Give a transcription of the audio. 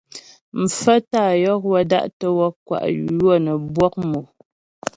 Mfaə́ tá yɔk wə́ da'tə́ wɔk kwá ywə́ nə́ bwɔk mò.